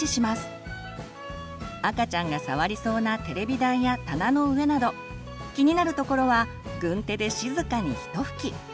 赤ちゃんが触りそうなテレビ台や棚の上など気になる所は軍手で静かにひと拭き！